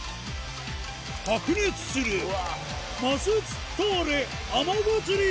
白熱するマスツッターレ